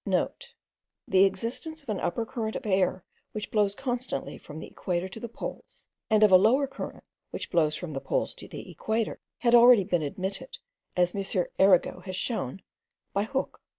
(* The existence of an upper current of air, which blows constantly from the equator to the poles, and of a lower current, which blows from the poles to the equator, had already been admitted, as M. Arago has shown, by Hooke.